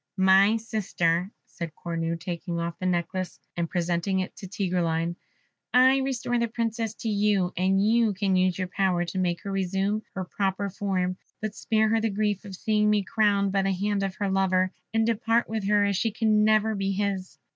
"My Sister," said Cornue, taking off the necklace and presenting it to Tigreline, "I restore the Princess to you, and you can use your power to make her resume her proper form, but spare her the grief of seeing me crowned by the hand of her lover, and depart with her, as she can never be his."